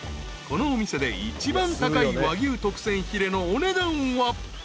［このお店で一番高い和牛特選ヒレのお値段は？］